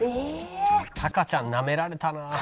タカちゃんなめられたな。